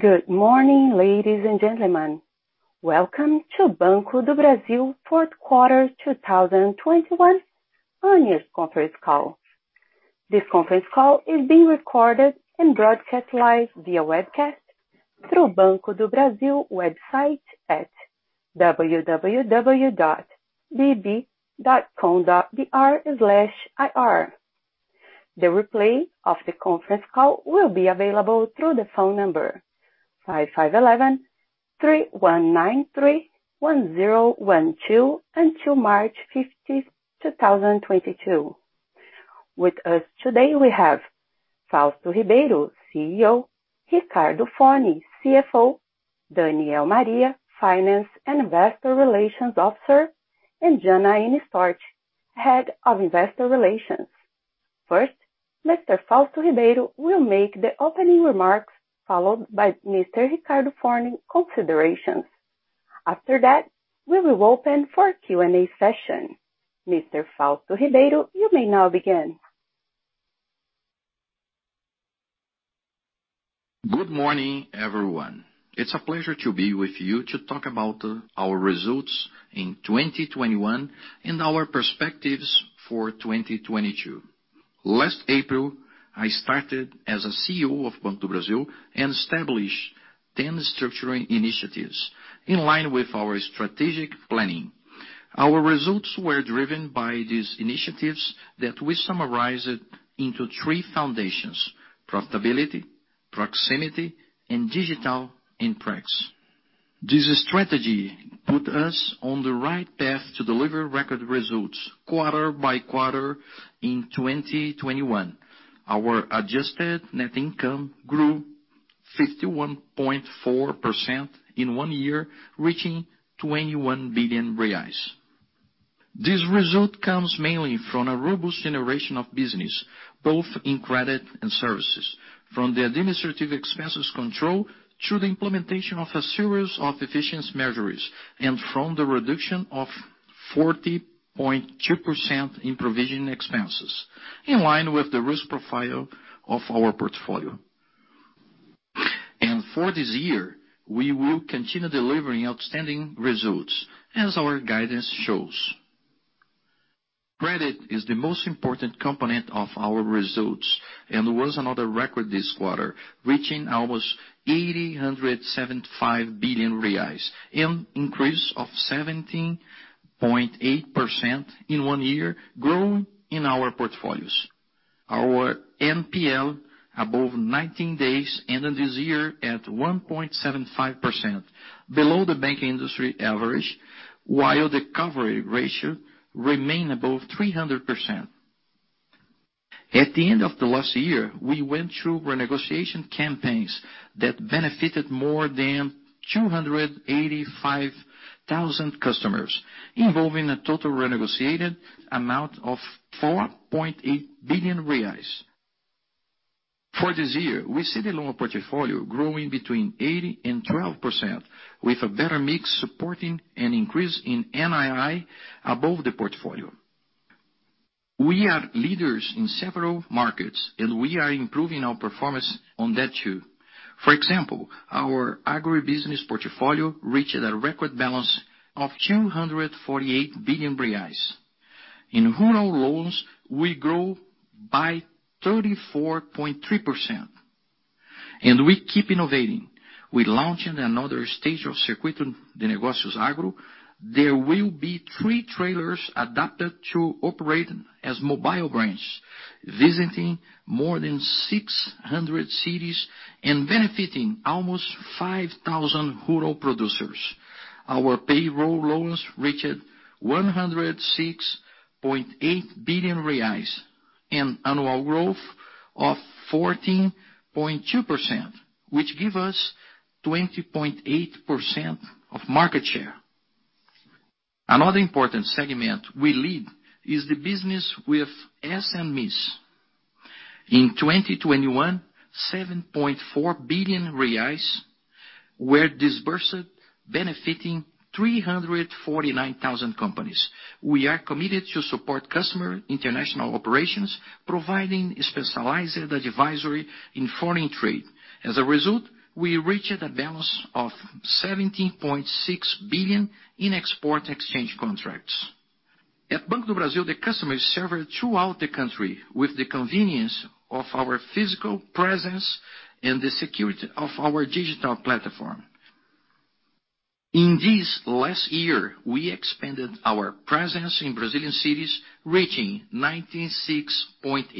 Good morning, ladies and gentlemen. Welcome to Banco do Brasil fourth quarter 2021 earnings conference call. This conference call is being recorded and broadcast live via webcast through Banco do Brasil website at www.bb.com.br/ir. The replay of the conference call will be available through the phone number 55 11 3193 1012 until 15th March 2022. With us today, we have Fausto Ribeiro, CEO, Ricardo Forni, CFO, Daniel Maria, Finance and Investor Relations Officer, and Janaína Storti, Head of Investor Relations. First, Mr. Fausto Ribeiro will make the opening remarks, followed by Mr. Ricardo Forni considerations. After that, we will open for Q&A session. Mr. Fausto Ribeiro, you may now begin. Good morning, everyone. It's a pleasure to be with you to talk about our results in 2021 and our perspectives for 2022. Last April, I started as a CEO of Banco do Brasil and established 10 structuring initiatives in line with our strategic planning. Our results were driven by these initiatives that we summarized into three foundations: profitability, proximity, and digital impacts. This strategy put us on the right path to deliver record results quarter by quarter in 2021. Our adjusted net income grew 51.4% in one year, reaching 21 billion reais. This result comes mainly from a robust generation of business, both in credit and services, from the administrative expenses control through the implementation of a series of efficiency measures, and from the reduction of 40.2% in provision expenses, in line with the risk profile of our portfolio. For this year, we will continue delivering outstanding results as our guidance shows. Credit is the most important component of our results and was another record this quarter, reaching almost 875 billion reais, an increase of 17.8% in one year, growing in our portfolios. Our NPL above 90 days ended this year at 1.75%, below the bank industry average, while the recovery ratio remained above 300%. At the end of the last year, we went through renegotiation campaigns that benefited more than 285,000 customers, involving a total renegotiated amount of 4.8 billion reais. For this year, we see the loan portfolio growing between 8% and 12% with a better mix supporting an increase in NII above the portfolio. We are leaders in several markets, and we are improving our performance on that too. For example, our agribusiness portfolio reached a record balance of 248 billion reais. In rural loans, we grew by 34.3%. We keep innovating. We launched another stage of Circuito de Negócios Agro. There will be three trailers adapted to operate as mobile branch, visiting more than 600 cities and benefiting almost 5,000 rural producers. Our payroll loans reached 106.8 billion reais, an annual growth of 14.2%, which give us 20.8% of market share. Another important segment we lead is the business with SMEs. In 2021, 7.4 billion reais were disbursed, benefiting 349,000 companies. We are committed to support customer international operations, providing specialized advisory in foreign trade. As a result, we reached a balance of 17.6 billion in export exchange contracts. At Banco do Brasil, we serve the customers throughout the country with the convenience of our physical presence and the security of our digital platform. In this last year, we expanded our presence in Brazilian cities, reaching 96.8%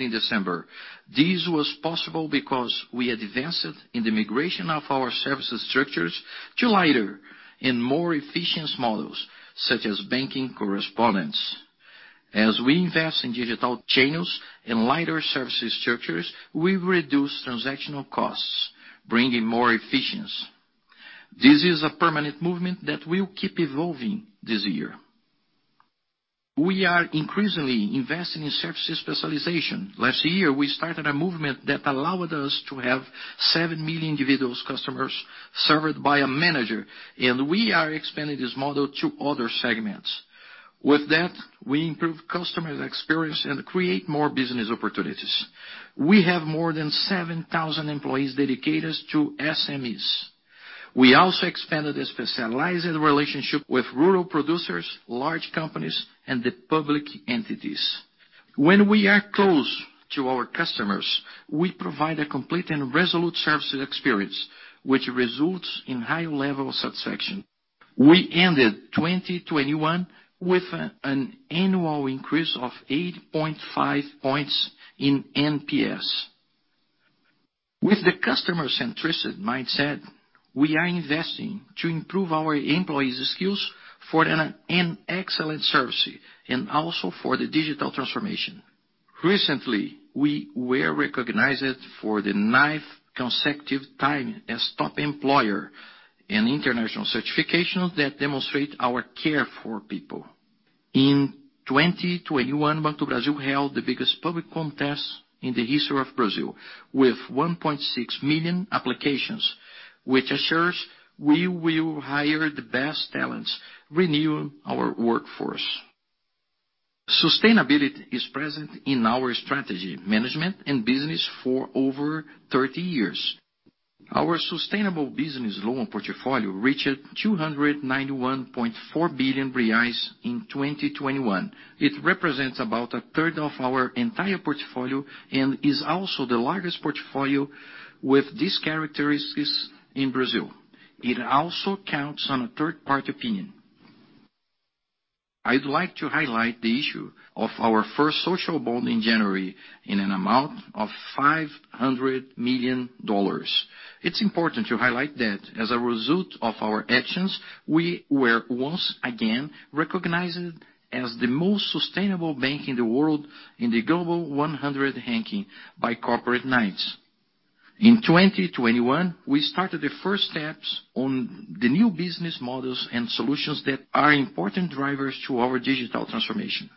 in December. This was possible because we had invested in the migration of our services structures to lighter and more efficient models, such as banking correspondents. As we invest in digital channels and lighter services structures, we reduce transactional costs, bringing more efficiency. This is a permanent movement that will keep evolving this year. We are increasingly investing in services specialization. Last year, we started a movement that allowed us to have 7 million individual customers served by a manager, and we are expanding this model to other segments. With that, we improve customers' experience and create more business opportunities. We have more than 7,000 employees dedicated to SMEs. We also expanded the specialized relationship with rural producers, large companies, and the public entities. When we are close to our customers, we provide a complete and resolute services experience, which results in high level of satisfaction. We ended 2021 with an annual increase of 8.5 points in NPS. With the customer-centric mindset, we are investing to improve our employees' skills for an excellent service, and also for the digital transformation. Recently, we were recognized for the ninth consecutive time as Top Employer, an international certification that demonstrate our care for people. In 2021, Banco do Brasil held the biggest public contest in the history of Brazil with 1.6 million applications, which assures we will hire the best talents, renew our workforce. Sustainability is present in our strategy, management, and business for over 30 years. Our sustainable business loan portfolio reached 291.4 billion reais in 2021. It represents about a third of our entire portfolio, and is also the largest portfolio with these characteristics in Brazil. It also counts on a third-party opinion. I'd like to highlight the issue of our first social bond in January in an amount of $500 million. It's important to highlight that as a result of our actions, we were once again recognized as the most sustainable bank in the world in the Global 100 ranking by Corporate Knights. In 2021, we started the first steps on the new business models and solutions that are important drivers to our digital transformation.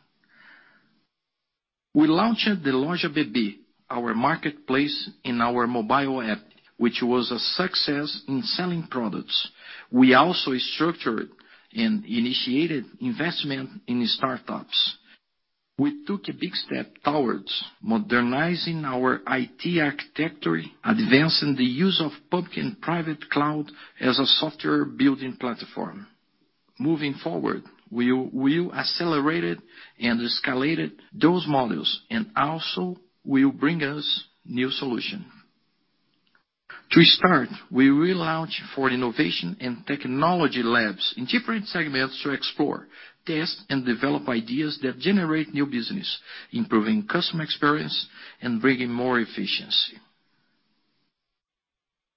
We launched the Loja BB, our marketplace in our mobile app, which was a success in selling products. We also structured and initiated investment in startups. We took a big step towards modernizing our IT architecture, advancing the use of public and private cloud as a software-building platform. Moving forward, we will accelerate and escalate those models, and also will bring us new solutions. To start, we will launch four innovation and technology labs in different segments to explore, test, and develop ideas that generate new business, improving customer experience and bringing more efficiency.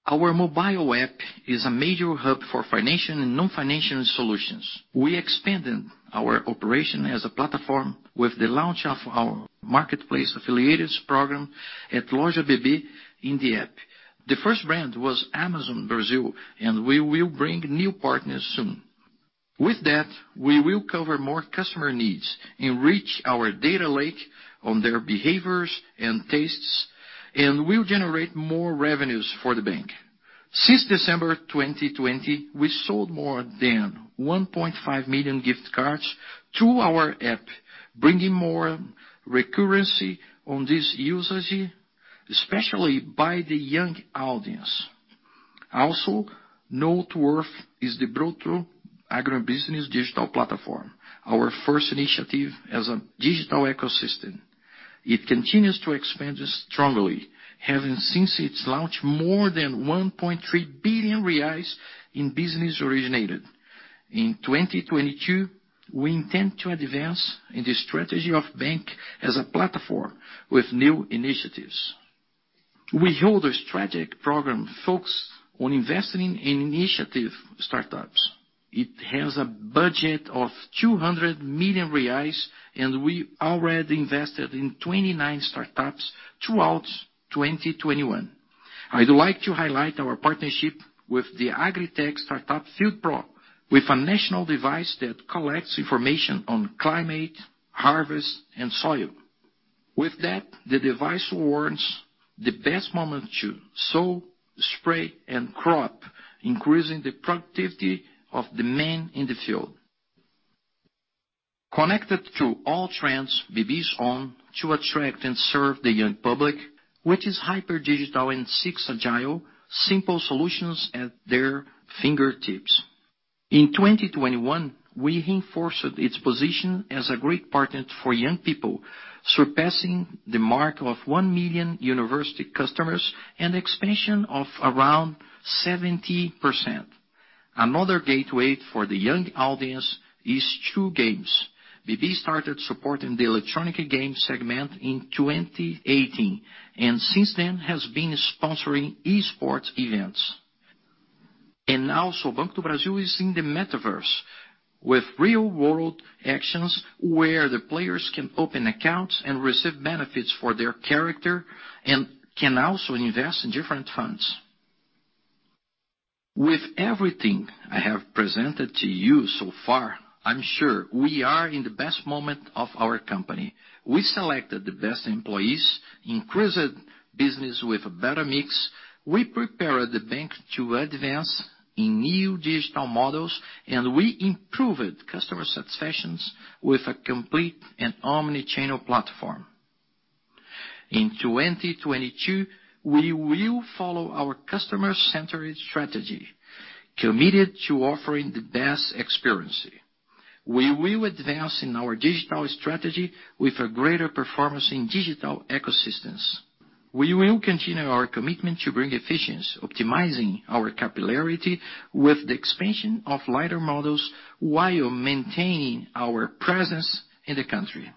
Our mobile app is a major hub for financial and non-financial solutions. We expanded our operation as a platform with the launch of our marketplace affiliates program at Loja BB in the app. The first brand was Amazon Brazil, and we will bring new partners soon. With that, we will cover more customer needs, enrich our data lake on their behaviors and tastes, and will generate more revenues for the bank. Since December 2020, we sold more than 1.5 million gift cards through our app, bringing more recurrency on this usage, especially by the young audience. Also noteworthy is the Broto agribusiness digital platform, our first initiative as a digital ecosystem. It continues to expand strongly, having since its launch more than 1.3 billion reais in business originated. In 2022, we intend to advance in the strategy of bank as a platform with new initiatives. We hold a strategic program focused on investing in innovative startups. It has a budget of 200 million reais, and we already invested in 29 startups throughout 2021. I'd like to highlight our partnership with the agritech startup, FieldPro, with a national device that collects information on climate, harvest, and soil. With that, the device warrants the best moment to sow, spray, and crop, increasing the productivity of the men in the field. Connected through all trends BB's on to attract and serve the young public, which is hyper digital and seeks agile, simple solutions at their fingertips. In 2021, we reinforced its position as a great partner for young people, surpassing the mark of 1 million university customers and expansion of around 70%. Another gateway for the young audience is through games. BB started supporting the electronic game segment in 2018, and since then has been sponsoring e-sports events. Now, Banco do Brasil is in the metaverse with real world actions where the players can open accounts and receive benefits for their character and can also invest in different funds. With everything I have presented to you so far, I'm sure we are in the best moment of our company. We selected the best employees, increased business with a better mix. We prepared the bank to advance in new digital models, and we improved customer satisfactions with a complete and omni-channel platform. In 2022, we will follow our customer-centered strategy, committed to offering the best experience. We will advance in our digital strategy with a greater performance in digital ecosystems. We will continue our commitment to bring efficiency, optimizing our capillarity with the expansion of lighter models while maintaining our presence in the country.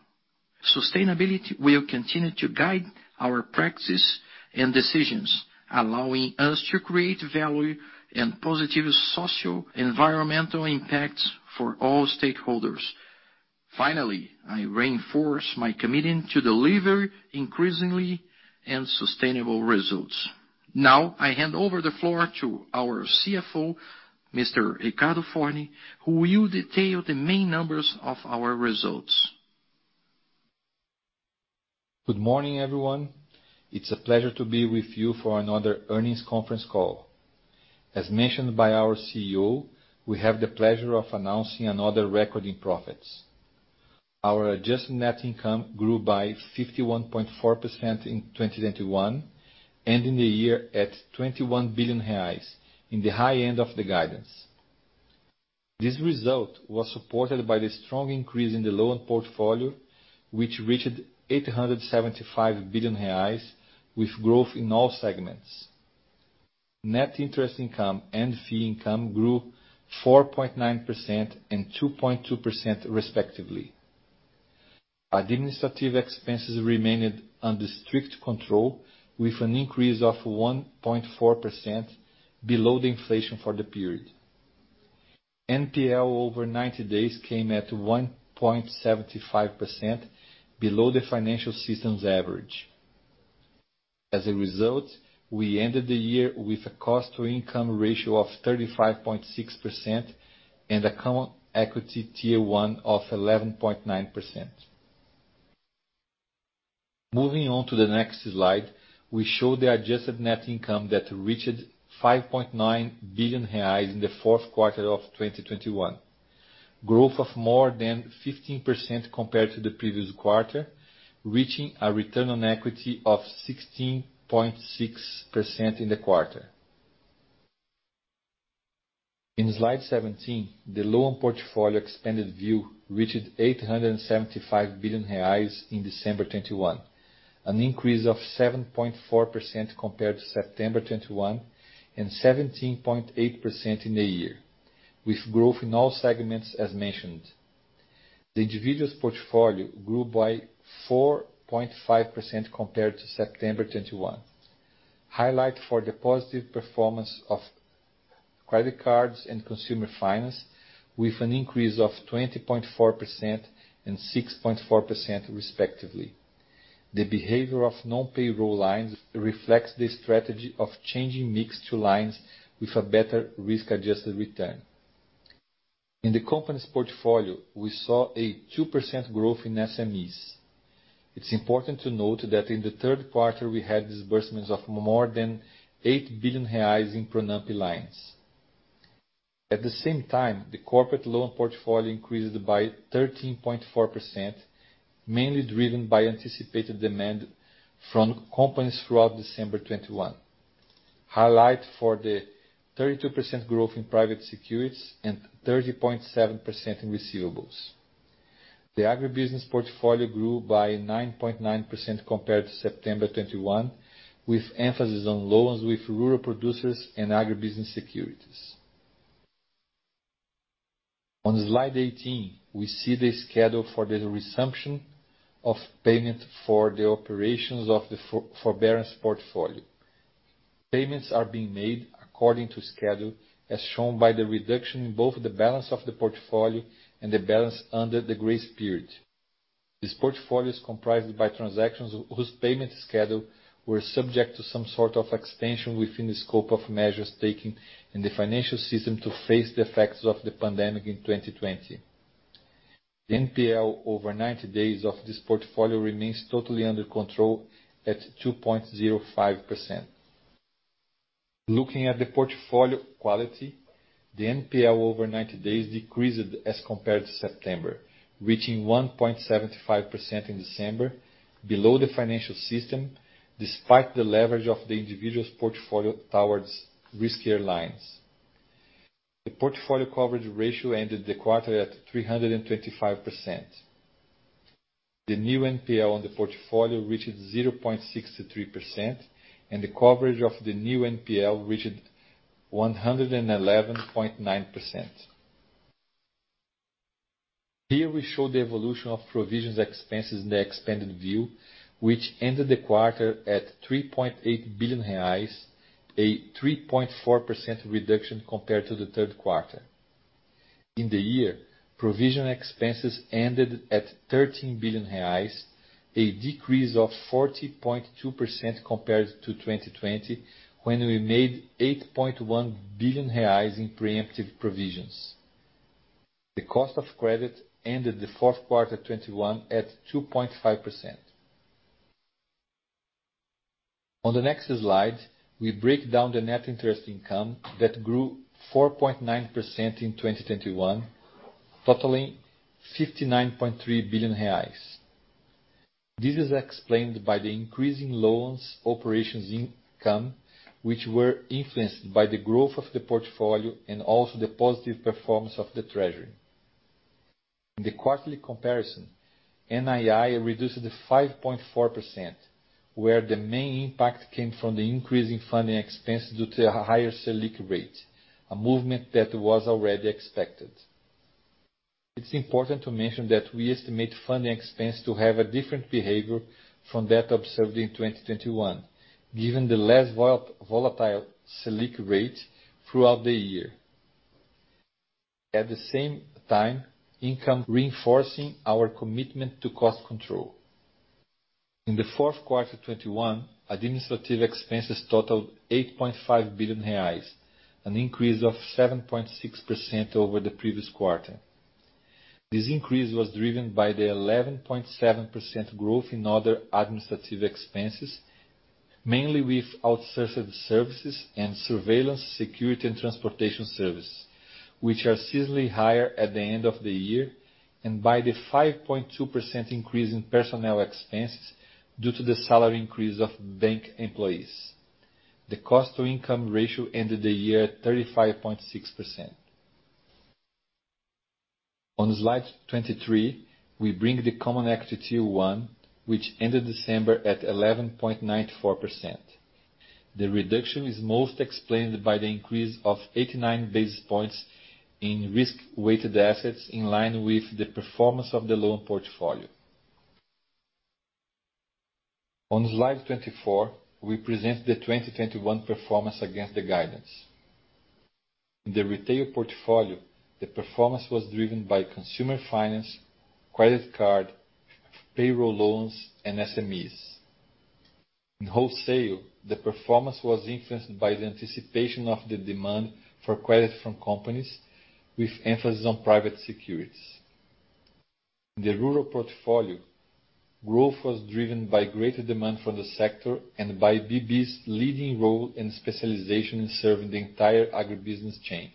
Sustainability will continue to guide our practices and decisions, allowing us to create value and positive social environmental impacts for all stakeholders. Finally, I reinforce my commitment to deliver increasingly and sustainable results. Now, I hand over the floor to our CFO, Mr. Ricardo Forni, who will detail the main numbers of our results. Good morning, everyone. It's a pleasure to be with you for another earnings conference call. As mentioned by our CEO, we have the pleasure of announcing another record in profits. Our adjusted net income grew by 51.4% in 2021, ending the year at 21 billion reais, in the high end of the guidance. This result was supported by the strong increase in the loan portfolio, which reached 875 billion reais, with growth in all segments. Net interest income and fee income grew 4.9% and 2.2% respectively. Administrative expenses remained under strict control, with an increase of 1.4% below the inflation for the period. NPL over 90 days came at 1.75%, below the financial system's average. As a result, we ended the year with a cost-to-income ratio of 35.6% and a Common Equity Tier 1 of 11.9%. Moving on to the next slide, we show the adjusted net income that reached 5.9 billion reais in the fourth quarter of 2021. Growth of more than 15% compared to the previous quarter, reaching a return on equity of 16.6% in the quarter. In slide 17, the loan portfolio expanded view reached 875 billion reais in December 2021, an increase of 7.4% compared to September 2021, and 17.8% in the year, with growth in all segments as mentioned. The individuals portfolio grew by 4.5% compared to September 2021. Highlight for the positive performance of credit cards and consumer finance, with an increase of 20.4% and 6.4% respectively. The behavior of non-payroll lines reflects the strategy of changing mix to lines with a better risk-adjusted return. In the company's portfolio, we saw a 2% growth in SMEs. It's important to note that in the third quarter, we had disbursements of more than 8 billion reais in PRONAMPE lines. At the same time, the corporate loan portfolio increased by 13.4%, mainly driven by anticipated demand from companies throughout December 2021. Highlight for the 32% growth in private securities and 30.7% in receivables. The agribusiness portfolio grew by 9.9% compared to September 2021, with emphasis on loans with rural producers and agribusiness securities. On slide 18, we see the schedule for the resumption of payment for the operations of the forbearance portfolio. Payments are being made according to schedule, as shown by the reduction in both the balance of the portfolio and the balance under the grace period. This portfolio is comprised by transactions whose payment schedule were subject to some sort of extension within the scope of measures taken in the financial system to face the effects of the pandemic in 2020. The NPL over 90 days of this portfolio remains totally under control at 2.05%. Looking at the portfolio quality, the NPL over 90 days decreased as compared to September, reaching 1.75% in December, below the financial system, despite the leverage of the individual's portfolio towards riskier lines. The portfolio coverage ratio ended the quarter at 325%. The new NPL on the portfolio reached 0.63%, and the coverage of the new NPL reached 111.9%. Here we show the evolution of provisions expenses in the expanded view, which ended the quarter at 3.8 billion reais, a 3.4% reduction compared to the third quarter. In the year, provision expenses ended at 13 billion reais, a decrease of 40.2% compared to 2020, when we made 8.1 billion reais in preemptive provisions. The cost of credit ended the fourth quarter 2021 at 2.5%. On the next slide, we break down the net interest income that grew 4.9% in 2021, totaling 59.3 billion reais. This is explained by the increase in loans operations income, which were influenced by the growth of the portfolio and also the positive performance of the treasury. In the quarterly comparison, NII reduced 5.4%, where the main impact came from the increase in funding expense due to a higher Selic rate, a movement that was already expected. It's important to mention that we estimate funding expense to have a different behavior from that observed in 2021, given the less volatile Selic rate throughout the year. At the same time, income reinforcing our commitment to cost control. In the fourth quarter 2021, administrative expenses totaled 8.5 billion reais, an increase of 7.6% over the previous quarter. This increase was driven by the 11.7% growth in other administrative expenses, mainly with outsourced services and surveillance, security, and transportation services, which are seasonally higher at the end of the year, and by the 5.2% increase in personnel expenses due to the salary increase of bank employees. The cost-to-income ratio ended the year at 35.6%. On slide 23, we bring the Common Equity Tier 1, which ended December at 11.94%. The reduction is mostly explained by the increase of 89 basis points in risk-weighted assets in line with the performance of the loan portfolio. On slide 24, we present the 2021 performance against the guidance. In the retail portfolio, the performance was driven by consumer finance, credit card, payroll loans, and SMEs. In wholesale, the performance was influenced by the anticipation of the demand for credit from companies with emphasis on private securities. In the rural portfolio, growth was driven by greater demand from the sector and by BB's leading role and specialization in serving the entire agribusiness chain.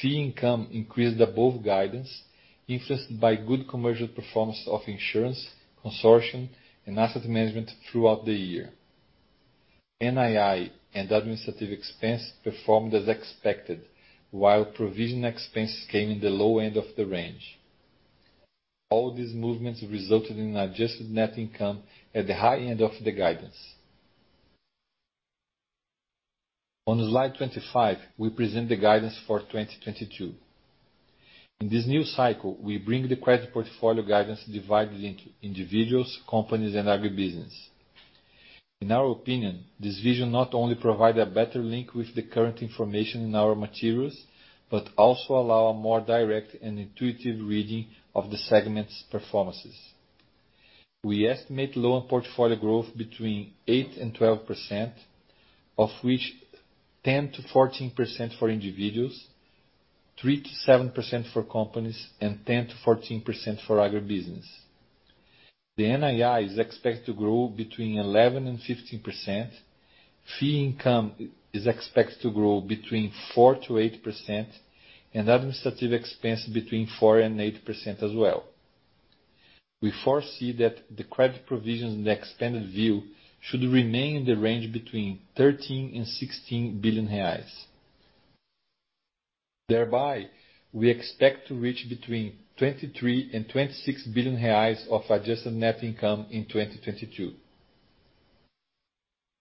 Fee income increased above guidance, influenced by good commercial performance of insurance, consortium, and asset management throughout the year. NII and administrative expense performed as expected, while provision expenses came in the low end of the range. All these movements resulted in adjusted net income at the high end of the guidance. On slide 25, we present the guidance for 2022. In this new cycle, we bring the credit portfolio guidance divided into individuals, companies, and agribusiness. In our opinion, this vision not only provide a better link with the current information in our materials, but also allow a more direct and intuitive reading of the segment's performances. We estimate loan portfolio growth between 8% and 12%, of which 10%-14% for individuals, 3%-7% for companies, and 10%-14% for agribusiness. The NII is expected to grow between 11% and 15%. Fee income is expected to grow between 4% to 8%, and administrative expense between 4% and 8% as well. We foresee that the credit provisions in the expanded view should remain in the range between 13 billion and 16 billion reais. Thereby, we expect to reach between 23 billion and 26 billion reais of adjusted net income in 2022.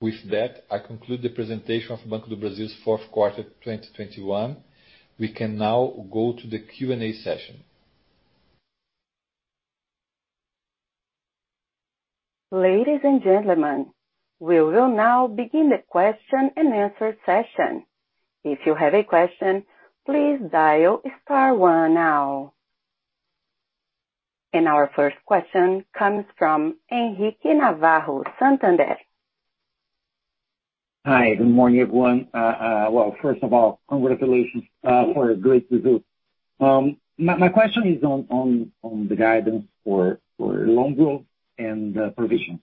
With that, I conclude the presentation of Banco do Brasil's fourth quarter 2021. We can now go to the Q&A session. Ladies and gentlemen, we will now begin the question and answer session. If you have a question, please dial star one now. Our first question comes from Henrique Navarro, Santander. Hi, good morning, everyone. Well, first of all, congratulations for a great result. My question is on the guidance for loan growth and provision.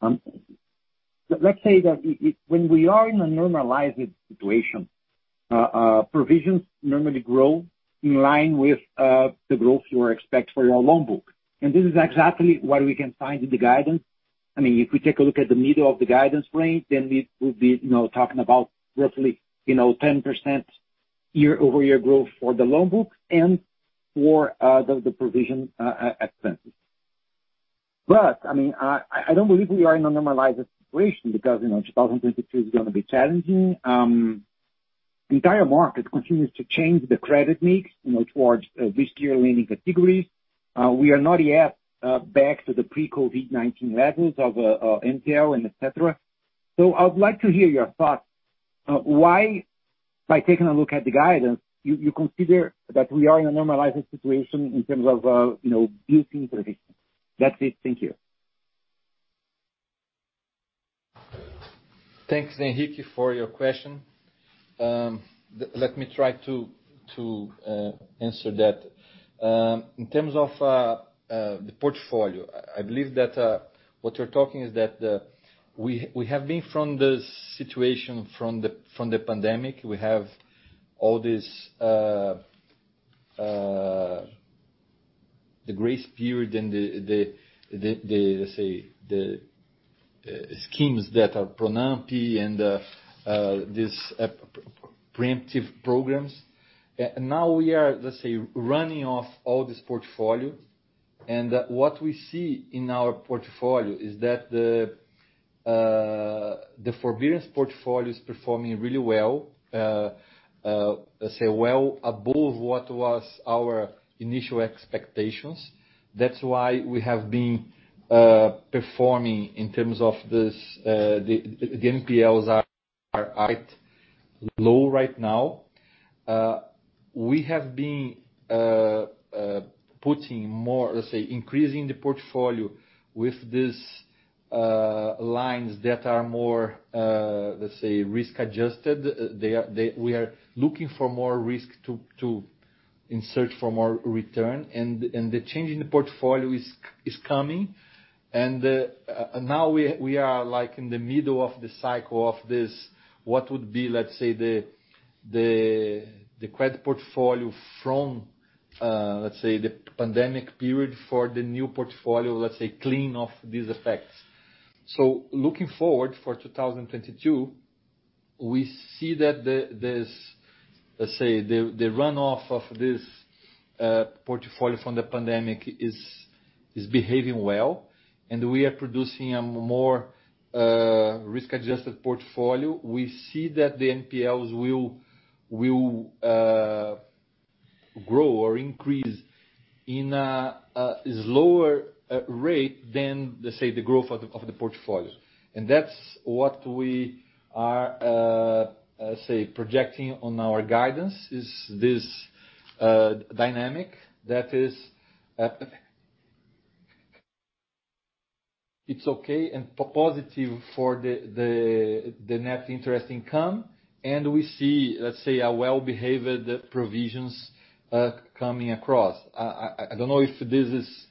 Let's say that when we are in a normalized situation, provisions normally grow in line with the growth you expect for your loan book, and this is exactly what we can find in the guidance. I mean, if we take a look at the middle of the guidance range, then we'll be, you know, talking about roughly, you know, 10% year-over-year growth for the loan book and for the provision expenses. I mean, I don't believe we are in a normalized situation because, you know, 2022 is gonna be challenging. The entire market continues to change the credit mix, you know, towards riskier lending categories. We are not yet back to the pre-COVID-19 levels of NPL and et cetera. I would like to hear your thoughts of why, by taking a look at the guidance, you consider that we are in a normalizing situation in terms of, you know, building provisions. That's it. Thank you. Thanks, Henrique, for your question. Let me try to answer that. In terms of the portfolio, I believe that what you're talking is that we have been from this situation from the pandemic, we have all this, the grace period and the, let's say, the schemes that are PRONAMPE and this preemptive programs. Now we are, let's say, running off all this portfolio. What we see in our portfolio is that the forbearance portfolio is performing really well, let's say, well above what was our initial expectations. That's why we have been performing in terms of this, the NPLs are quite low right now. We have been putting more, let's say, increasing the portfolio with this lines that are more, let's say, risk-adjusted. We are looking for more risk to in search for more return. The change in the portfolio is coming. Now we are, like, in the middle of the cycle of this, what would be, let's say, the credit portfolio from, let's say, the pandemic period for the new portfolio, let's say, clean off these effects. Looking forward to 2022, we see that this, let's say, the runoff of this portfolio from the pandemic is behaving well, and we are producing a more risk-adjusted portfolio. We see that the NPLs will grow or increase in a slower rate than, let's say, the growth of the portfolio. That's what we are let's say projecting on our guidance, is this dynamic that is it's okay and positive for the net interest income. We see let's say a well-behaved provisions coming across. I don't know if this is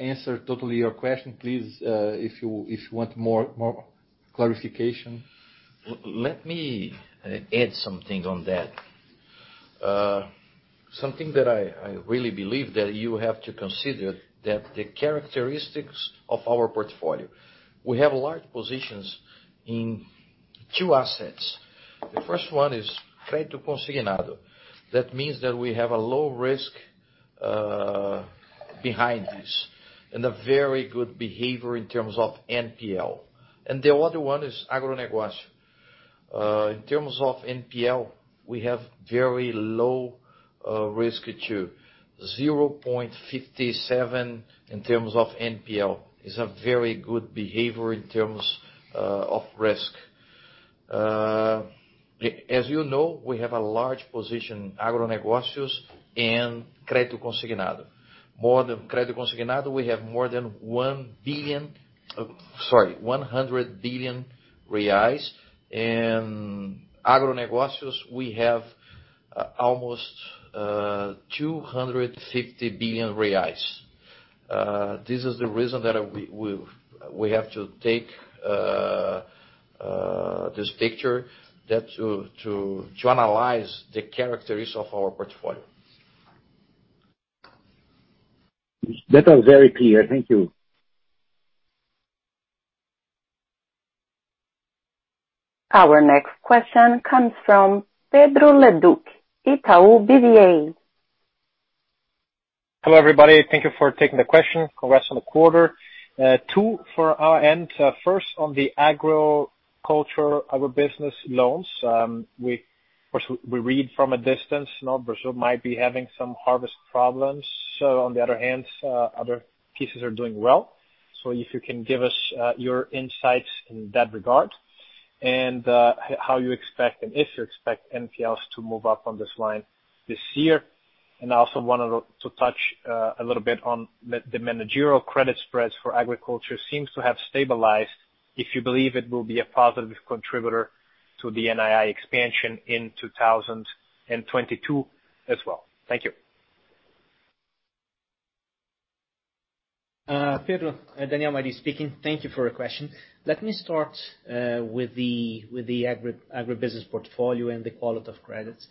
answer totally your question. Please if you want more clarification. Let me add something on that. Something that I really believe that you have to consider, that the characteristics of our portfolio. We have large positions in two assets. The first one is crédito consignado. That means that we have a low risk behind this, and a very good behavior in terms of NPL. The other one is agronegócio. In terms of NPL, we have very low risk too, 0.57% in terms of NPL. It's a very good behavior in terms of risk. As you know, we have a large position, agronegócios and crédito consignado. Crédito consignado, we have more than BRL 100 billion. In agronegócios, we have almost 250 billion reais. This is the reason that we have to take this picture to analyze the characteristics of our portfolio. That was very clear. Thank you. Our next question comes from Pedro Leduc, Itaú BBA. Hello, everybody. Thank you for taking the question. Congrats on the quarter. Q2 year-to-date. First on the agribusiness loans. We, of course, read from a distance, you know, Brazil might be having some harvest problems. On the other hand, other pieces are doing well. If you can give us your insights in that regard, and how you expect and if you expect NPLs to move up on this line this year. I also wanted to touch a little bit on the marginal credit spreads for agriculture. It seems to have stabilized, if you believe it will be a positive contributor to the NII expansion in 2022 as well. Thank you. Pedro, Daniel Maria speaking. Thank you for your question. Let me start with the agribusiness portfolio and the quality of credits.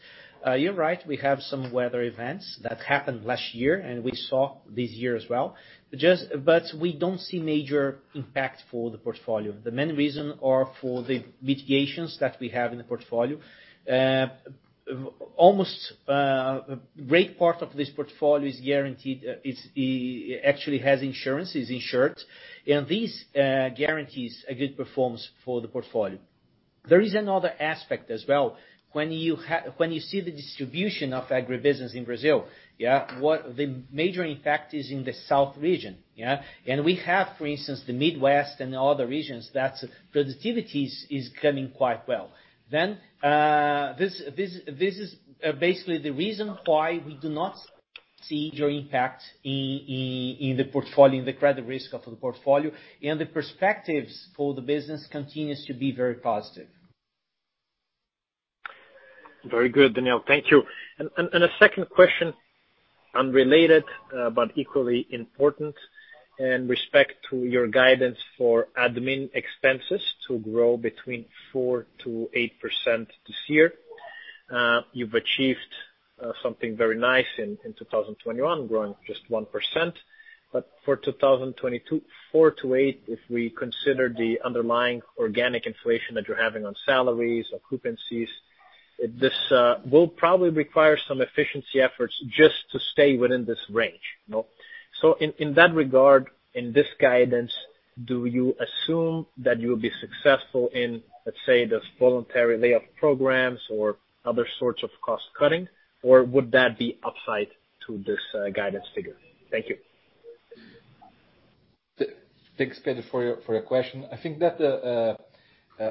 You're right, we have some weather events that happened last year, and we saw this year as well. We don't see major impact for the portfolio. The main reason are for the mitigations that we have in the portfolio. Almost great part of this portfolio is guaranteed, actually has insurance, is insured, and this guarantees a good performance for the portfolio. There is another aspect as well. When you see the distribution of agribusiness in Brazil, yeah, what the major impact is in the South region, yeah. We have, for instance, the Midwest and the other regions that's productivity is coming quite well. This is basically the reason why we do not- See your impact in the portfolio, in the credit risk of the portfolio, and the perspectives for the business continues to be very positive. Very good, Daniel. Thank you. A second question, unrelated, but equally important in respect to your guidance for admin expenses to grow between 4%-8% this year. You've achieved something very nice in 2021, growing just 1%. But for 2022, 4%-8%, if we consider the underlying organic inflation that you're having on salaries, occupancies, this will probably require some efficiency efforts just to stay within this range, you know? In that regard, in this guidance, do you assume that you'll be successful in, let's say, these voluntary layoff programs or other sorts of cost cutting? Or would that be upside to this guidance figure? Thank you. Thanks, Pedro, for your question. I think that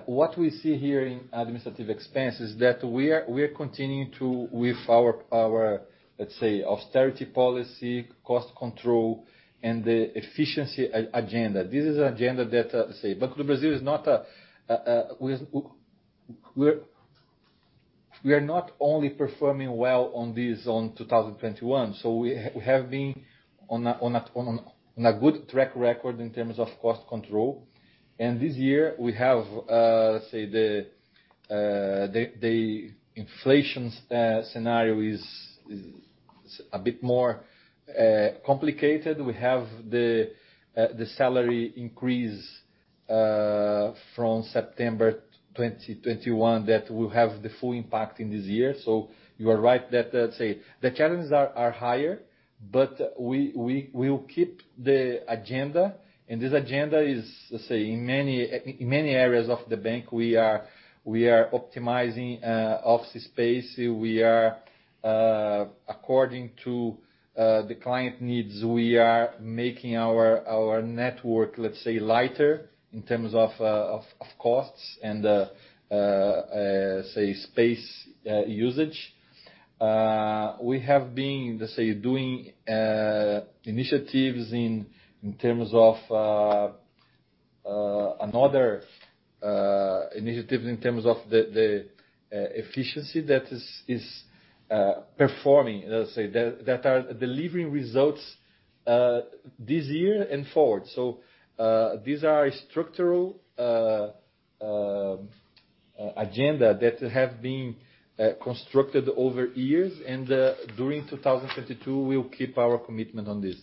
what we see here in administrative expense is that we are continuing with our, let's say, austerity policy, cost control, and the efficiency agenda. This is an agenda that, let's say, we are not only performing well on this in 2021, so we have been on a good track record in terms of cost control. This year, we have, let's say, the inflation scenario is a bit more complicated. We have the salary increase from September 2021 that will have the full impact in this year. You are right that, let's say, the challenges are higher, but we will keep the agenda. This agenda is, let's say, in many areas of the bank, we are optimizing office space. We are, according to the client needs, we are making our network, let's say, lighter in terms of costs and, say, space usage. We have been, let's say, doing initiatives in terms of another initiative in terms of the efficiency that is performing, let's say, that are delivering results this year and forward. These are structural agenda that have been constructed over years. During 2022, we'll keep our commitment on this.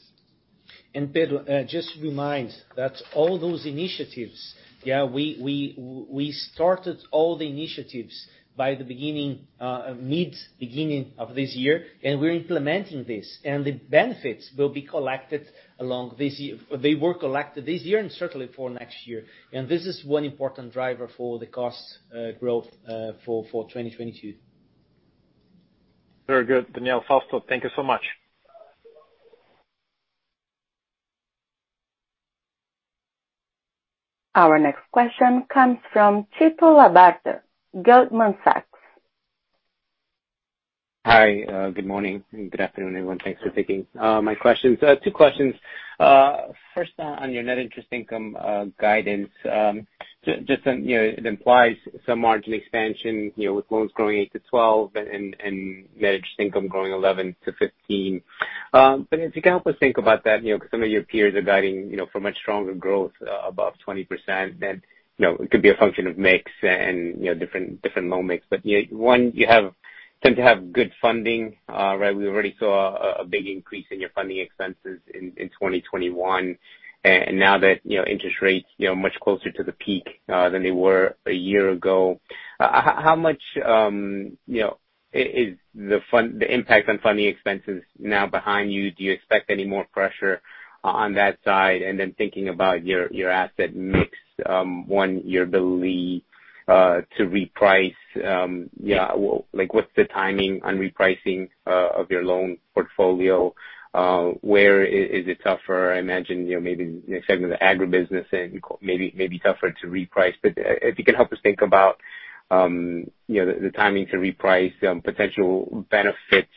Pedro, just to remind that all those initiatives, yeah, we started all the initiatives by the beginning, mid-beginning of this year, and we're implementing this. The benefits will be collected along this year. They were collected this year and certainly for next year. This is one important driver for the cost growth for 2022. Very good, Daniel, Fausto. Thank you so much. Our next question comes from Tito Labarta, Goldman Sachs. Hi, good morning and good afternoon, everyone. Thanks for taking my questions. Two questions. First, on your net interest income guidance. Just on, you know, it implies some margin expansion, you know, with loans growing eight-12 and net interest income growing 11-15. But if you can help us think about that, you know, 'cause some of your peers are guiding, you know, for much stronger growth, above 20%. You know, it could be a function of mix and, you know, different loan mix. But you know, you tend to have good funding, right? We already saw a big increase in your funding expenses in 2021. Now that, you know, interest rates, you know, much closer to the peak than they were a year ago, how much is the funding impact on funding expenses now behind you? Do you expect any more pressure on that side? Then thinking about your asset mix, your ability to reprice, yeah. Like, what's the timing on repricing of your loan portfolio? Where is it tougher? I imagine, you know, maybe a segment of the agribusiness maybe may be tougher to reprice. If you can help us think about, you know, the timing to reprice, potential benefits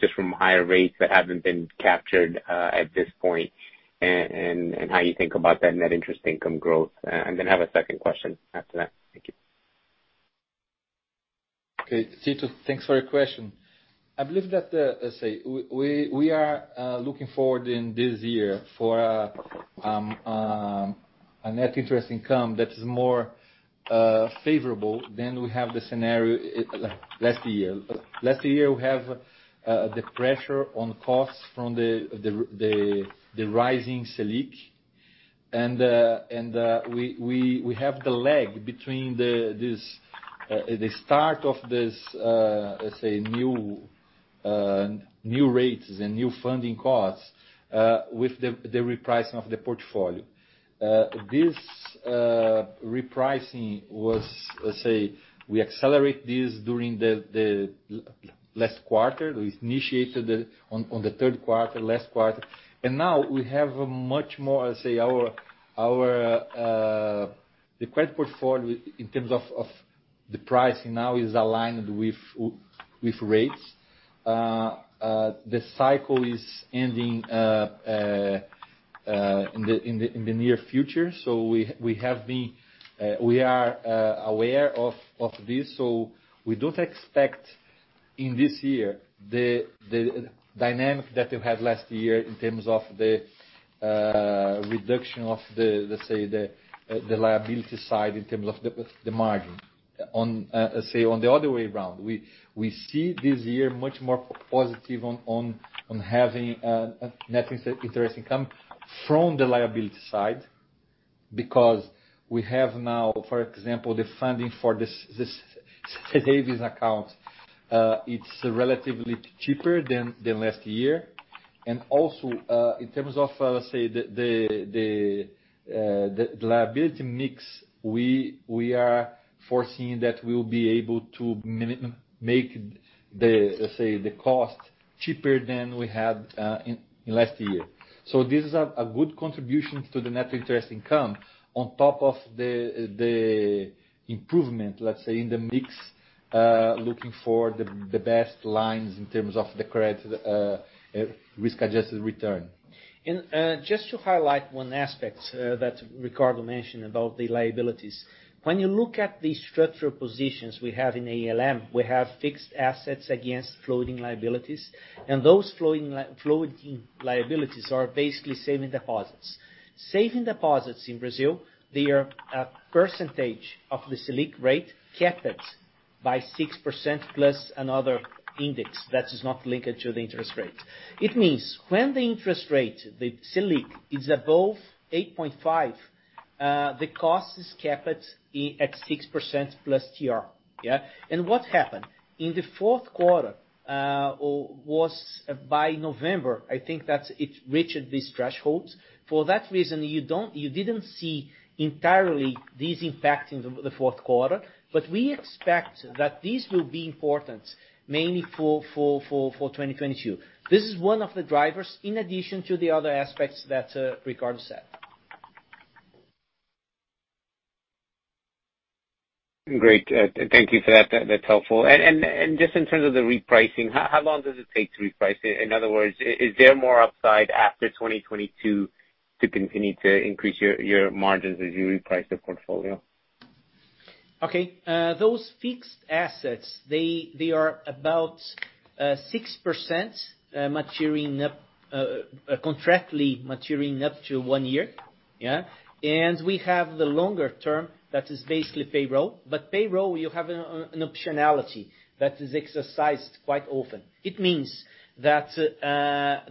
just from higher rates that haven't been captured at this point, and how you think about that net interest income growth. I have a second question after that. Thank you. Okay. Tito, thanks for your question. I believe that, let's say, we are looking forward in this year for a net interest income that is more favorable than the scenario last year. Last year, we have the pressure on costs from the rising Selic. We have the lag between the start of this, let's say, new rates and new funding costs with the repricing of the portfolio. This repricing was, let's say, we accelerate this during the last quarter. We initiated it in the third quarter, last quarter. Now we have a much more, let's say, our credit portfolio in terms of the pricing now is aligned with rates. The cycle is ending in the near future. We are aware of this, so we don't expect in this year the dynamic that we had last year in terms of the reduction of, let's say, the liability side in terms of the margin. On the other way around, we see this year much more positive on having a net interest income from the liability side because we have now, for example, the funding for this savings account, it's relatively cheaper than last year. Also, in terms of, let's say, the liability mix, we are foreseeing that we'll be able to make the, let's say, the cost cheaper than we had in last year. This is a good contribution to the net interest income on top of the improvement, let's say, in the mix, looking for the best lines in terms of the credit risk-adjusted return. Just to highlight one aspect that Ricardo mentioned about the liabilities. When you look at the structural positions we have in ALM, we have fixed assets against floating liabilities, and those floating liabilities are basically savings deposits. Savings deposits in Brazil, they are a percentage of the Selic rate, capped by 6% plus another index that is not linked to the interest rate. It means when the interest rate, the Selic, is above 8.5, the cost is capped at 6%+ TR. Yeah? And what happened? In the fourth quarter, or it was by November, I think that it reached these thresholds. For that reason, you didn't see entirely this impact in the fourth quarter. We expect that this will be important mainly for 2022. This is one of the drivers in addition to the other aspects that Ricardo said. Great. Thank you for that. That's helpful. Just in terms of the repricing, how long does it take to reprice it? In other words, is there more upside after 2022 to continue to increase your margins as you reprice the portfolio? Okay. Those fixed assets, they are about 6%, contractually maturing up to one year. Yeah. We have the longer term that is basically payroll. Payroll, you have an optionality that is exercised quite often. It means that,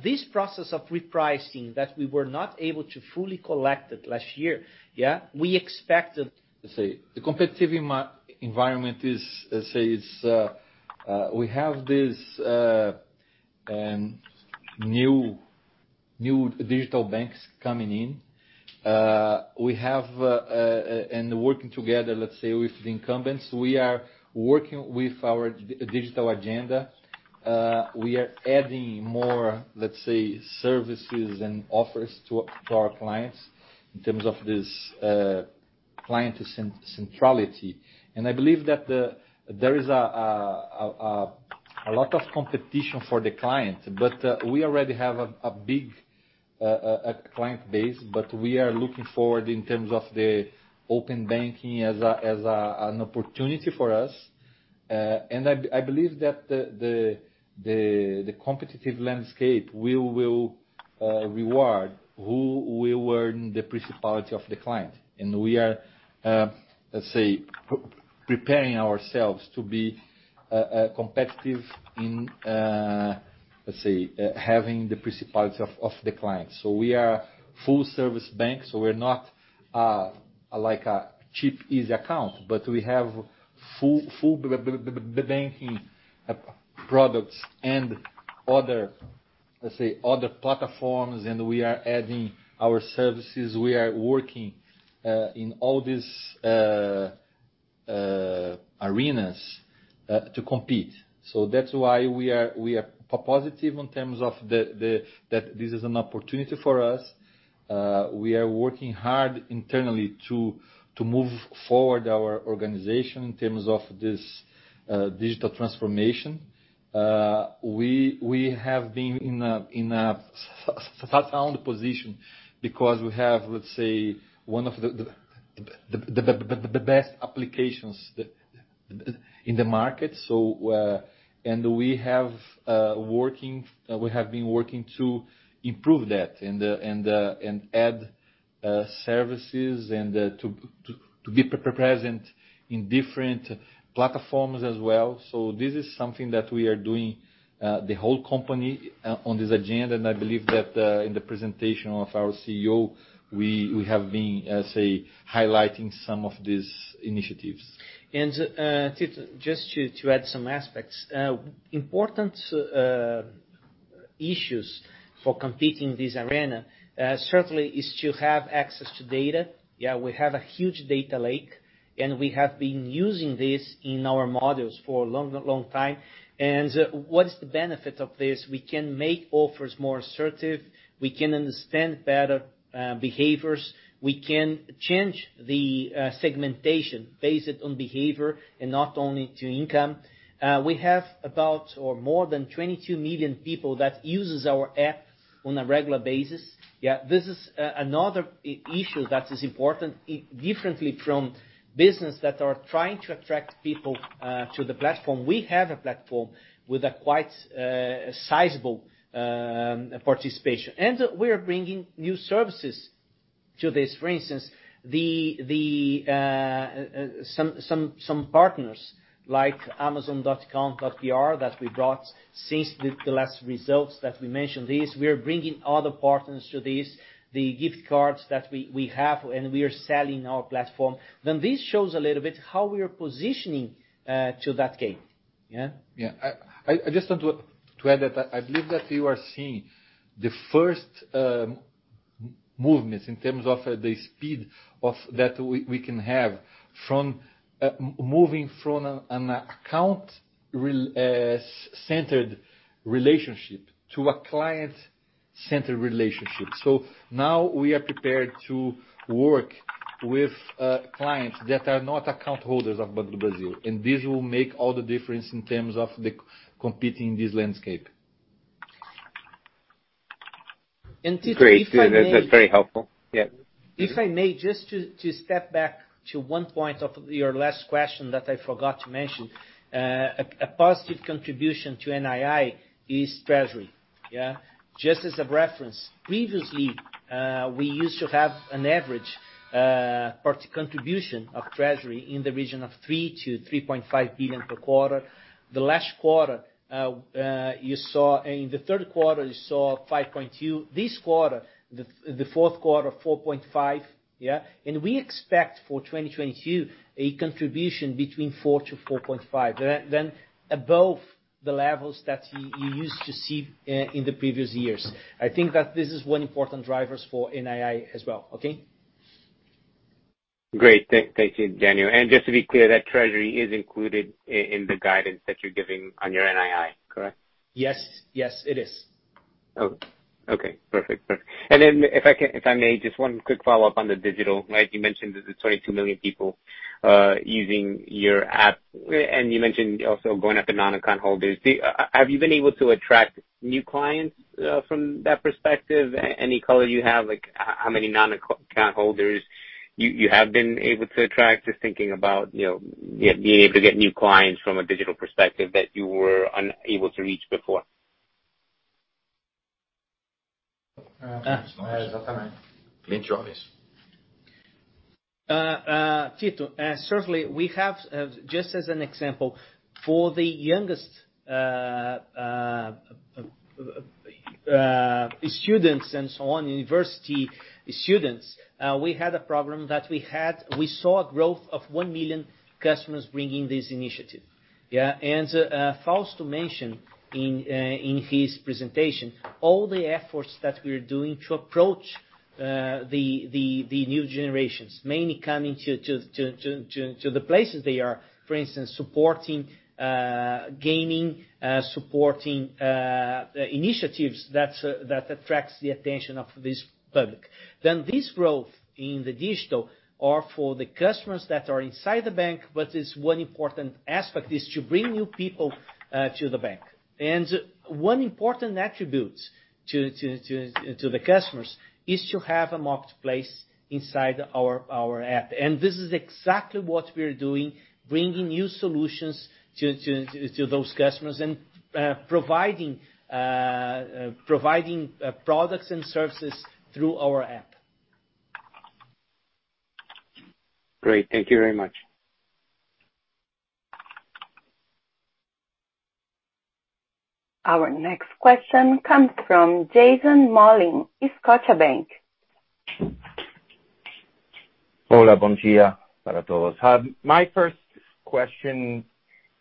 this process of repricing that we were not able to fully collect it last year, yeah, we expect- Let's say the competitive environment is. We have this new digital banks coming in and working together, let's say with the incumbents. We are working with our digital agenda. We are adding more, let's say, services and offers to our clients in terms of this client centrality. I believe that there is a lot of competition for the client, but we already have a big client base, but we are looking forward in terms of the Open Banking as an opportunity for us. I believe that the competitive landscape will reward who will win the principality of the client. We are preparing ourselves to be competitive in, let's say, having the priority of the client. We are full-service bank, so we're not like a cheap, easy account, but we have full banking products and other, let's say, other platforms, and we are adding our services. We are working in all these areas to compete. That's why we are positive in terms of that this is an opportunity for us. We are working hard internally to move forward our organization in terms of this digital transformation. We have been in a sound position because we have, let's say, one of the best applications in the market. We have been working to improve that and add services and to be present in different platforms as well. This is something that we are doing, the whole company, on this agenda. I believe that in the presentation of our CEO, we have been, let's say, highlighting some of these initiatives. Just to add some aspects, important issues for competing in this arena, certainly is to have access to data. Yeah, we have a huge data lake, and we have been using this in our models for a long time. What is the benefit of this? We can make offers more assertive. We can understand better, behaviors. We can change the segmentation based on behavior and not only to income. We have about or more than 22 million people that uses our app on a regular basis. Yeah, this is another issue that is important. Differently from business that are trying to attract people to the platform. We have a platform with a quite sizable participation. We are bringing new services to this. For instance, some partners like amazon.com.br that we brought since the last results that we mentioned this, we are bringing other partners to this, the gift cards that we have and we are selling our platform, then this shows a little bit how we are positioning to that gate. Yeah. Yeah. I just want to add that I believe that you are seeing the first movements in terms of the speed that we can have from moving from an account centered relationship to a client centered relationship. Now we are prepared to work with clients that are not account holders of Banco do Brazil, and this will make all the difference in terms of the competitive landscape. Tito, if I may- Great. That's very helpful. Yeah. If I may, just to step back to one point of your last question that I forgot to mention. A positive contribution to NII is treasury. Yeah. Just as a reference, previously, we used to have an average contribution of treasury in the region of 3 billion-3.5 billion per quarter. The last quarter, in the third quarter, you saw 5.2. This quarter, the fourth quarter, 4.5. Yeah. We expect for 2022 a contribution between 4 billion-4.5 billion. Above the levels that you used to see in the previous years. I think that this is one important drivers for NII as well. Okay. Great. Thank you, Daniel Maria. Just to be clear, that treasury is included in the guidance that you're giving on your NII, correct? Yes. Yes, it is. Oh, okay. Perfect. If I may, just one quick follow-up on the digital. Right, you mentioned this is 22 million people using your app, and you mentioned also going after non-account holders. Have you been able to attract new clients from that perspective? Any color you have, like how many non-account holders you have been able to attract? Just thinking about, you know, being able to get new clients from a digital perspective that you were unable to reach before. Tito, certainly we have just as an example, for the youngest students and so on, university students, we saw a growth of 1 million customers bringing this initiative. Yeah. Fausto mentioned in his presentation all the efforts that we're doing to approach the new generations, mainly coming to the places they are, for instance, supporting initiatives that attracts the attention of this public. This growth in the digital era for the customers that are inside the bank, but there's one important aspect is to bring new people to the bank. One important attribute to the customers is to have a marketplace inside our app. This is exactly what we're doing, bringing new solutions to those customers and providing products and services through our app. Great. Thank you very much. Our next question comes from Jason Mollin, Scotiabank. Hola, bon dia. Para todos. My first question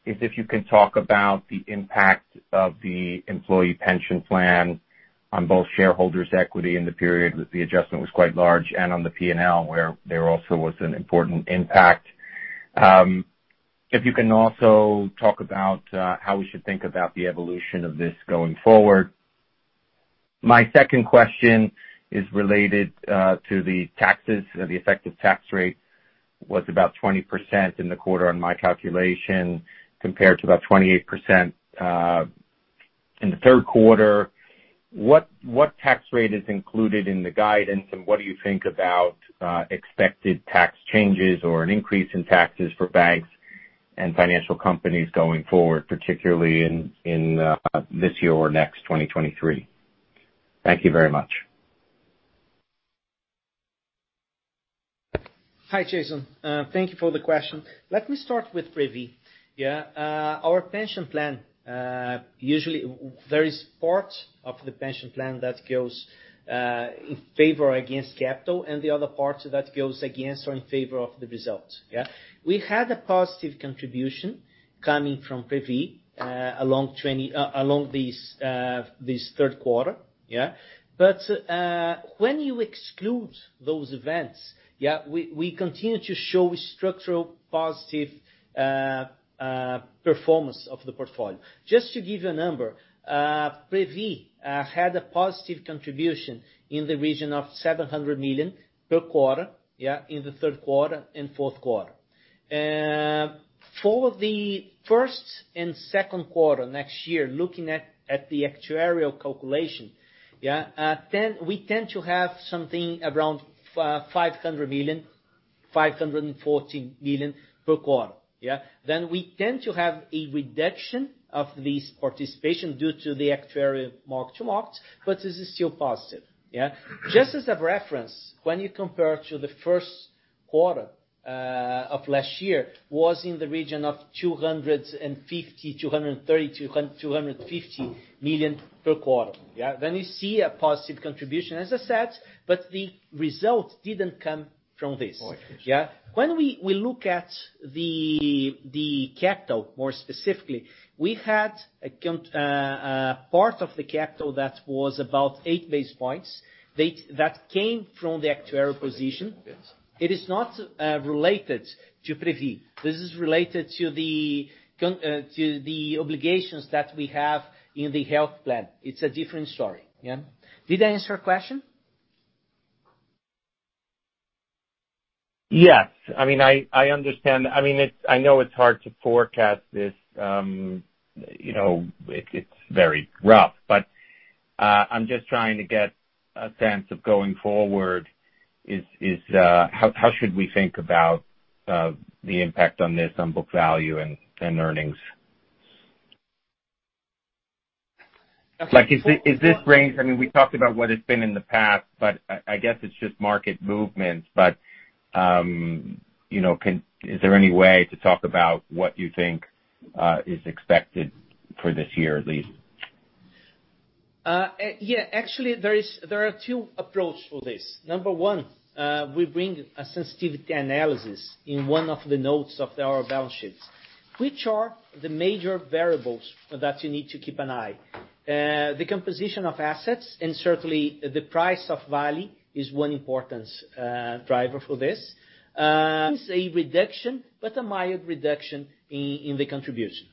is if you can talk about the impact of the employee pension plan on both shareholders' equity in the period that the adjustment was quite large and on the P&L, where there also was an important impact. If you can also talk about how we should think about the evolution of this going forward. My second question is related to the taxes. The effective tax rate was about 20% in the quarter on my calculation, compared to about 28% in the third quarter. What tax rate is included in the guidance and what do you think about expected tax changes or an increase in taxes for banks and financial companies going forward, particularly in this year or next, 2023? Thank you very much. Hi, Jason. Thank you for the question. Let me start with Previ. Our pension plan usually there is part of the pension plan that goes in favor or against capital and the other part that goes against or in favor of the results. We had a positive contribution coming from Previ during this third quarter. When you exclude those events, we continue to show structurally positive performance of the portfolio. Just to give you a number, Previ had a positive contribution in the region of 700 million per quarter in the third quarter and fourth quarter. For the first and second quarter next year, looking at the actuarial calculation, then we tend to have something around 500 million, 514 million per quarter. Yeah. We tend to have a reduction of this participation due to the actuarial mark-to-market, but this is still positive. Yeah. Just as a reference, when you compare to the first quarter of last year, it was in the region of 250 million per quarter. Yeah. You see a positive contribution, as I said, but the result didn't come from this. Oh, I see. Yeah. When we look at the capital more specifically, part of the capital that was about eight basis points. That came from the actuarial position. Yes. It is not related to Previ. This is related to the obligations that we have in the health plan. It's a different story. Yeah. Did I answer your question? Yes. I mean, I understand. I mean, I know it's hard to forecast this, you know, it's very rough. I'm just trying to get a sense of going forward. How should we think about the impact of this on book value and earnings? Like is this- Is this range, I mean, we talked about what it's been in the past, but I guess it's just market movements. You know, is there any way to talk about what you think is expected for this year at least? Actually, there are two approach for this. Number one, we bring a sensitivity analysis in one of the notes of our balance sheets. Which are the major variables that you need to keep an eye? The composition of assets, and certainly the price of Vale is one important driver for this. Say reduction, but a mild reduction in the contribution.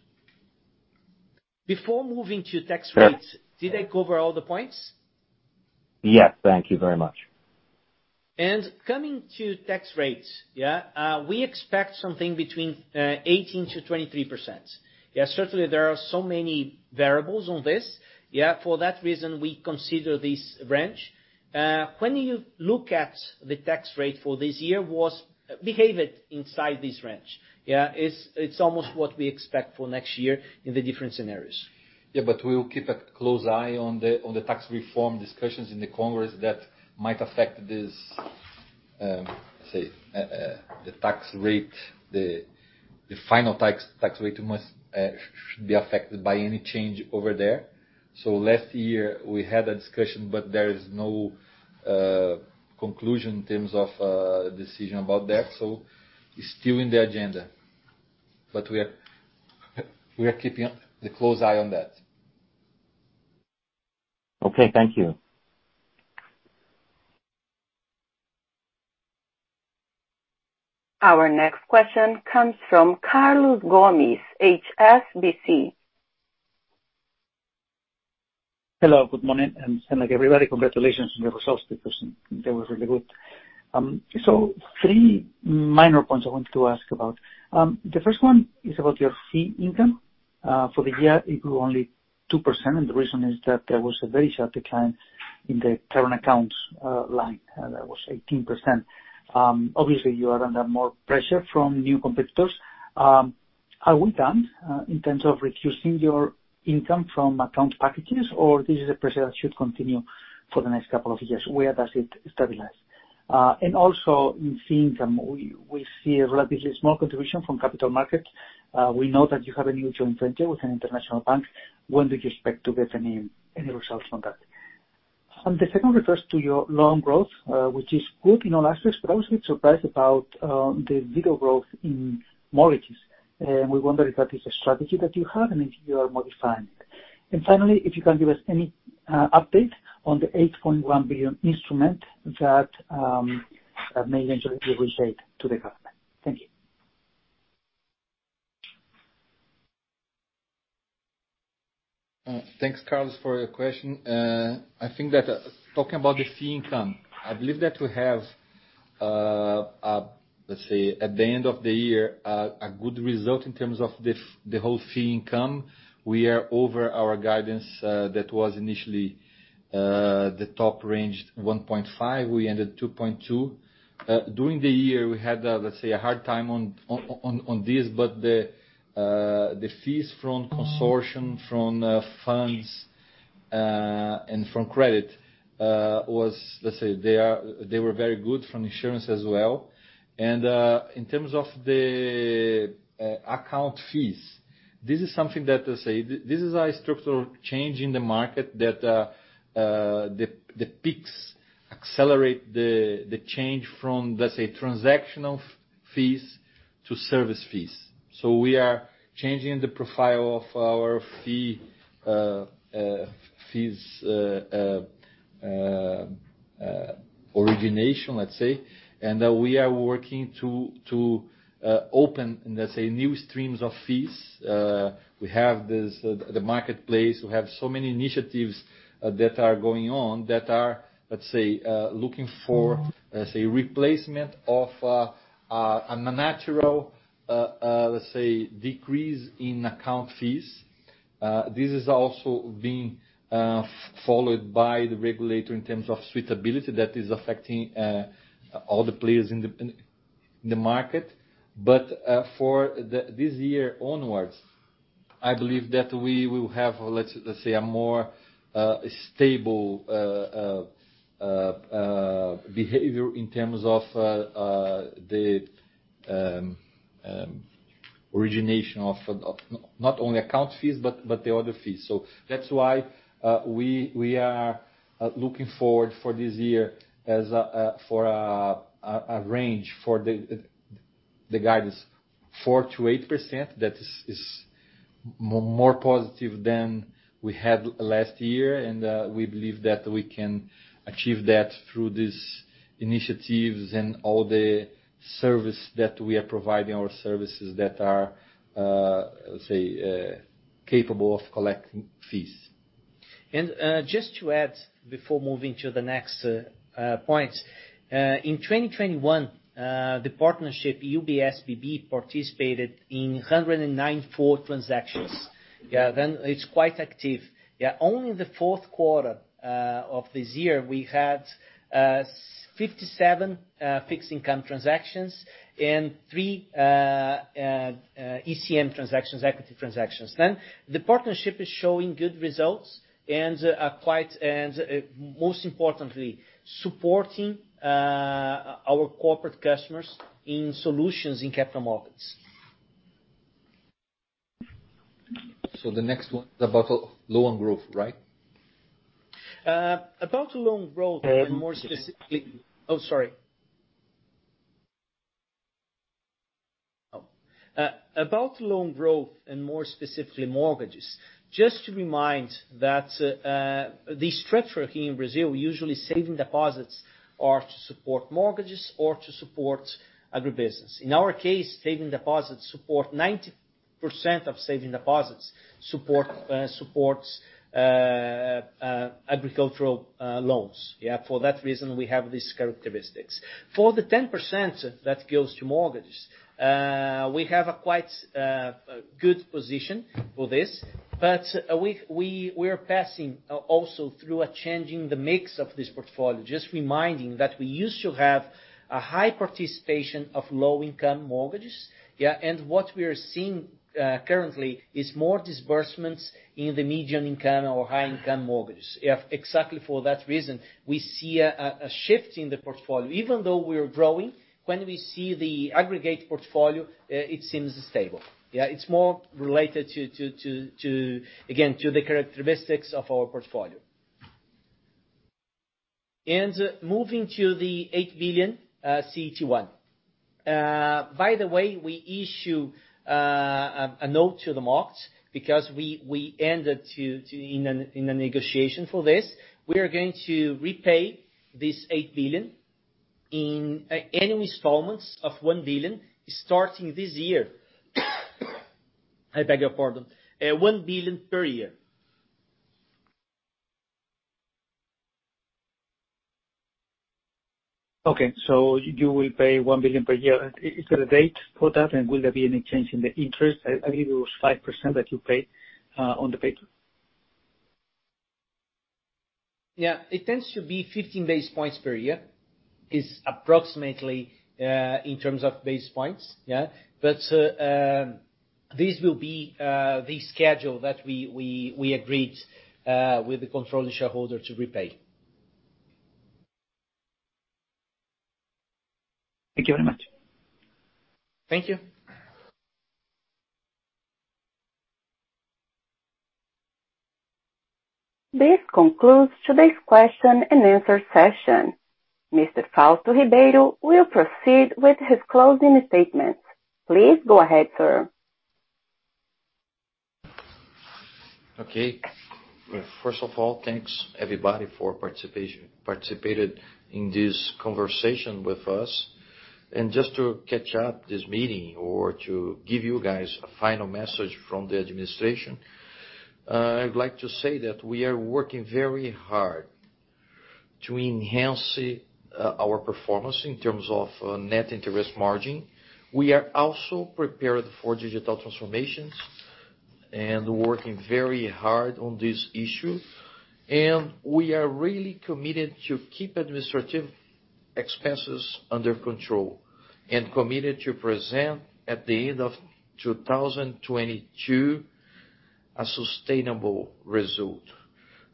Before moving to tax rates, did I cover all the points? Yes. Thank you very much. Coming to tax rates, we expect something between 18%-23%. Certainly there are so many variables on this. For that reason, we consider this range. When you look at the tax rate for this year, it behaved inside this range. It's almost what we expect for next year in the different scenarios. Yeah, we'll keep a close eye on the tax reform discussions in Congress that might affect this, say, the tax rate. The final tax rate should be affected by any change over there. Last year we had a discussion, but there is no conclusion in terms of decision about that. It's still on the agenda. We are keeping a close eye on that. Okay. Thank you. Our next question comes from Carlos Gomez-Lopez, HSBC. Hello, good morning. Like everybody, congratulations on your results because they were really good. Three minor points I want to ask about. The first one is about your fee income. For the year it grew only 2%, and the reason is that there was a very sharp decline in the current accounts line that was 18%. Obviously you are under more pressure from new competitors. Are we done in terms of reducing your income from account packages, or this is a pressure that should continue for the next couple of years? Where does it stabilize? And also in fee income, we see a relatively small contribution from capital markets. We know that you have a new joint venture with an international bank. When do you expect to get any results from that? The second refers to your loan growth, which is good in all aspects, but I was a bit surprised about the little growth in mortgages. We wonder if that is a strategy that you have and if you are modifying it. Finally, if you can give us any update on the 8.1 billion instrument that may eventually appreciate to the government. Thank you. Thanks, Carlos, for your question. I think that talking about the fee income, I believe that we have a let's say at the end of the year a good result in terms of the whole fee income. We are over our guidance that was initially the top range 1.5. We ended 2.2. During the year, we had let's say a hard time on this, but the fees from consortium, from funds, and from credit was let's say they were very good from insurance as well. In terms of the account fees, this is something that let's say this is a structural change in the market that the Pix accelerate the change from let's say transactional fees to service fees. We are changing the profile of our fees origination, let's say, and we are working to open, let's say, new streams of fees. We have this marketplace. We have so many initiatives that are going on that are looking for, let's say, replacement of a natural, let's say, decrease in account fees. This is also being followed by the regulator in terms of suitability that is affecting all the players in the market. This year onwards, I believe that we will have, let's say, a more stable behavior in terms of the origination of not only account fees, but the other fees. That's why we are looking forward to this year as a range for the guidance 4%-8% that is more positive than we had last year. We believe that we can achieve that through these initiatives and all the service that we are providing, or services that are, let's say, capable of collecting fees. Just to add before moving to the next point. In 2021, the partnership UBS BB participated in 194 transactions. Yeah. It's quite active. Yeah. In the fourth quarter of this year, we had 57 fixed income transactions and three ECM transactions, equity transactions. The partnership is showing good results and most importantly, supporting our corporate customers in solutions in capital markets. The next one is about loan growth, right? About loan growth and more specifically mortgages. Just to remind that the structure here in Brazil, usually savings deposits are to support mortgages or to support agribusiness. In our case, 90% of savings deposits support agricultural loans. Yeah. For that reason, we have these characteristics. For the 10% that goes to mortgages, we have a quite good position for this. We're passing also through a change in the mix of this portfolio. Just reminding that we used to have a high participation of low-income mortgages, yeah. What we are seeing currently is more disbursements in the median-income or high-income mortgages. Yeah. Exactly for that reason, we see a shift in the portfolio. Even though we are growing, when we see the aggregate portfolio, it seems stable. Yeah. It's more related to, again, the characteristics of our portfolio. Moving to the 8 billion CET1. By the way, we issue a note to the market because we entered into a negotiation for this. We are going to repay this 8 billion in annual installments of 1 billion starting this year. I beg your pardon. 1 billion per year. You will pay 1 billion per year. Is there a date for that and will there be any change in the interest? I believe it was 5% that you paid on the paper. Yeah. It tends to be 15 basis points per year, is approximately, in terms of basis points. Yeah. This will be the schedule that we agreed with the controlling shareholder to repay. Thank you very much. Thank you. This concludes today's question and answer session. Mr. Fausto Ribeiro will proceed with his closing statements. Please go ahead, sir. Okay. First of all, thanks everybody for participating in this conversation with us. Just to wrap up this meeting or to give you guys a final message from the administration, I'd like to say that we are working very hard to enhance our performance in terms of net interest margin. We are also prepared for digital transformations and working very hard on this issue. We are really committed to keep administrative expenses under control and committed to present at the end of 2022, a sustainable result.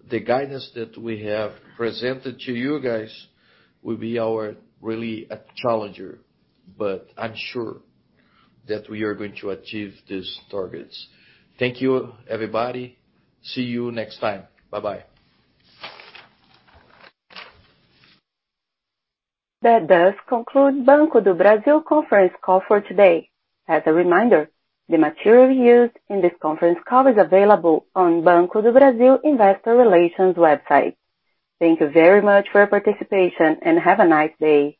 The guidance that we have presented to you guys will be a real challenger, but I'm sure that we are going to achieve these targets. Thank you, everybody. See you next time. Bye-bye. That does conclude Banco do Brazil conference call for today. As a reminder, the material used in this conference call is available on Banco do Brazil investor relations website. Thank you very much for your participation, and have a nice day.